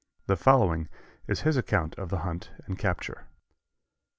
The following is his account of the hunt and capture.